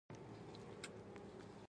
د محصل لپاره د یادونې تخنیک اړین دی.